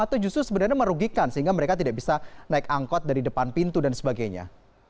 atau justru sebenarnya merugikan sehingga mereka tidak bisa naik angkot dari depan pintu dan sebagainya